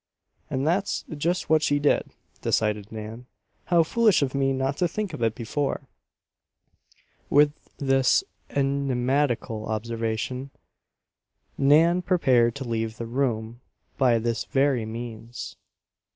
"And that's just what she did," decided Nan. "How foolish of me not to think of it before." With this enigmatical observation Nan prepared to leave the room by this very means.